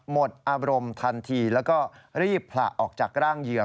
หมดอารมณ์ทันทีแล้วก็รีบผละออกจากร่างเหยื่อ